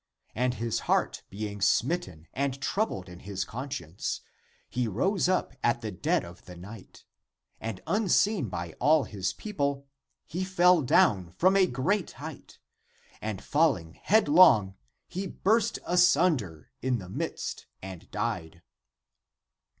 <And his heart being smitten and troubled in his conscience > (p. 36) he rose up at the dead of the night, and, unseen by all his people, he fell down from a great height, <and falling headlong he burst asunder in the midst and died.